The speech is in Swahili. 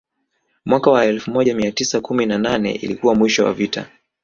Mwaka wa elfu moja mia tisa kumi na nane ilikuwa mwisho wa vita